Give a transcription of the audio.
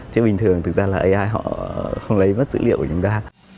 chứ bình thường thực ra là ai họ không lấy mất dữ liệu của chúng ta